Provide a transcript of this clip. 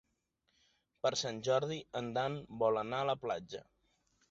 Per Sant Jordi en Dan vol anar a la platja.